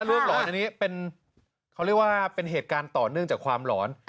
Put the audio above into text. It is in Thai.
ลูกหลอนอันนี้เป็นเขาเรียกว่าเป็นเหตุการณ์ต่อเนื่องจากความหลอน